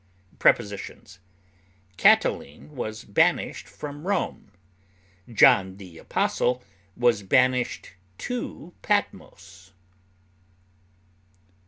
Prepositions: Cataline was banished from Rome; John the Apostle was banished to Patmos.